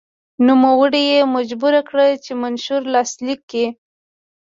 نوموړی یې مجبور کړ چې منشور لاسلیک کړي.